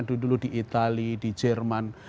dulu dulu di itali di jerman